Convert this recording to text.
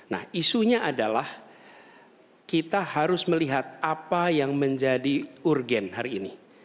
nah isunya adalah kita harus melihat apa yang menjadi urgen hari ini